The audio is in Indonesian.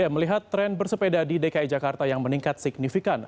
melihat tren bersepeda di dki jakarta yang meningkat signifikan